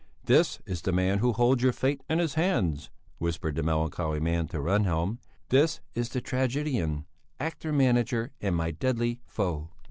"This is the man who holds your fate in his hands," whispered the melancholy man to Rehnhjelm. "This is the tragedian, actor manager, and my deadly foe."